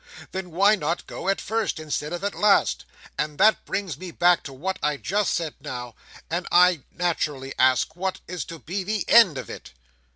Then why not go at first instead of at last? And that brings me back to what I said just now, and I naturally ask what is to be the end of it?"